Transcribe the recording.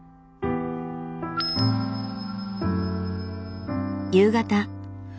夕方。